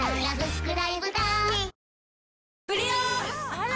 あら！